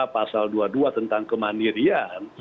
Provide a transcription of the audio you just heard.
pasal dua puluh dua tentang kemandirian